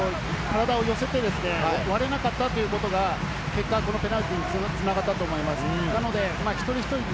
具選手が１番、２番としっかり体を寄せて、われなかったということが結果、このペナルティーに繋がったと思います。